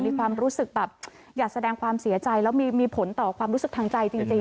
มีความรู้สึกแบบอยากแสดงความเสียใจแล้วมีผลต่อความรู้สึกทางใจจริง